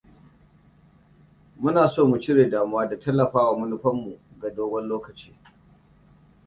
Muna so mu cire damuwa da tallafawa manufan mu ga dogon lokacin.